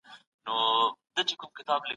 پوهانو د علم لپاره ځانګړي تعریفونه وړاندې نه کړل.